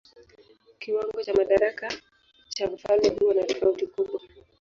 Kiwango cha madaraka cha mfalme huwa na tofauti kubwa.